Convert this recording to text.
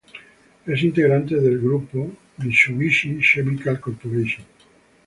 Es integrante del grupo Mitsubishi Chemical Corporation.